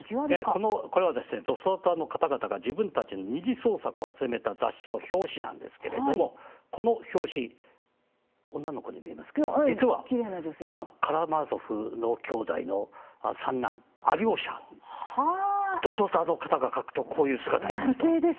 これはドスオタの方々が自分たちの二次創作を集めた雑誌の表紙なんですけれどもこの表紙、女の子に見えますけれども実は「カラマーゾフの兄弟」の三男アリョーシャドスオタの方が描くとこういう姿になるんです。